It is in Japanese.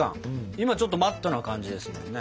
今ちょっとマットな感じですもんね。